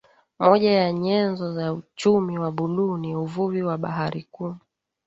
Moja ya nyenzo ya uchumi wa buluu ni uvuvi wa bahari kuu